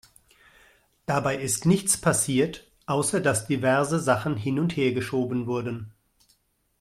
Dabei ist nichts passiert, außer dass diverse Sachen hin- und hergeschoben wurden.